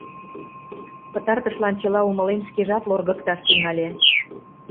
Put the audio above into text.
Пытартышлан, чыла умылен, шкежат лоргыкташ тӱҥале.